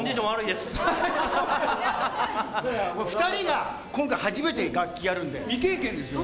でも２人が今回、初めて楽器未経験ですよね。